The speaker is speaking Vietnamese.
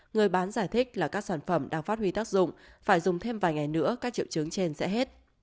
người bán giải thích là các sản phẩm đang phát huy tác dụng phải dùng thêm vài ngày nữa các triệu chứng trên sẽ hết